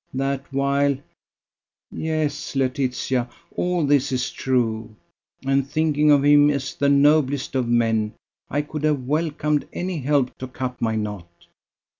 that while ... yes, Laetitia, all this is true: and thinking of him as the noblest of men, I could have welcomed any help to cut my knot.